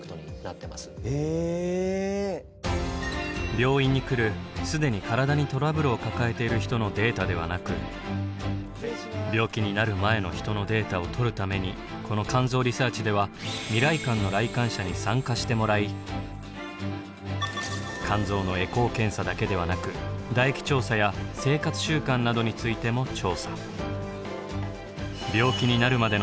病院に来る既に体にトラブルを抱えている人のデータではなく病気になる前の人のデータをとるためにこの肝臓リサーチでは未来館の来館者に参加してもらい肝臓のエコー検査だけではなく唾液調査や生活習慣などについても調査。